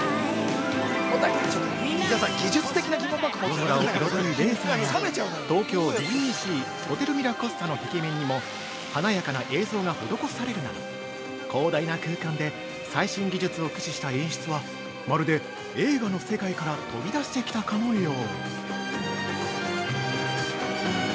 ◆夜空を彩るレーザーや東京ディズニーシー・ホテルミラコスタの壁面にも華やかな映像が施されるなど広大な空間で最新技術を駆使した演出はまるで映画の世界から飛び出してきたかのよう。